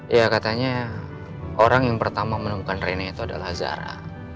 ya katanya orang yang pertama menemukan rene itu adalah zara